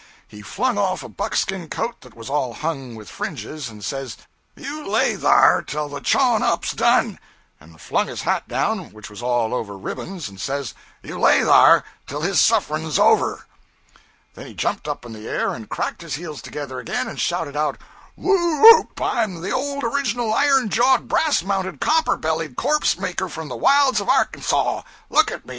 He flung off a buckskin coat that was all hung with fringes, and says, 'You lay thar tell the chawin up's done;' and flung his hat down, which was all over ribbons, and says, 'You lay thar tell his sufferin's is over.' Then he jumped up in the air and cracked his heels together again and shouted out 'Whoo oop! I'm the old original iron jawed, brass mounted, copper bellied corpse maker from the wilds of Arkansaw! Look at me!